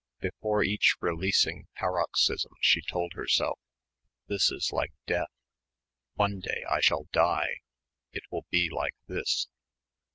Before each releasing paroxysm she told herself "this is like death; one day I shall die, it will be like this."